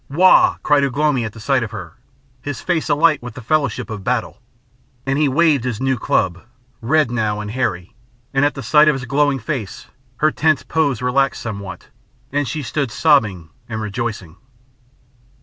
"Wau!" cried Ugh lomi at the sight of her, his face alight with the fellowship of battle, and he waved his new club, red now and hairy; and at the sight of his glowing face her tense pose relaxed somewhat, and she stood sobbing and rejoicing.